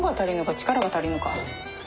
力が足りんのか？